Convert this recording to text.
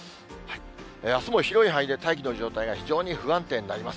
あすも広い範囲で大気の状態が非常に不安定になります。